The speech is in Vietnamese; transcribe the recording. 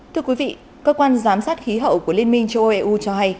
thưa quý vị cơ quan giám sát khí hậu của liên minh châu âu eu cho hay